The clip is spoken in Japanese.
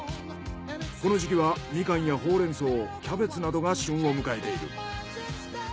この時期はみかんやホウレンソウキャベツなどが旬を迎えている。